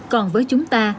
còn với chúng ta